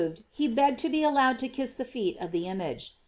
ed, he begged to be allowed to kiss the feet of the image.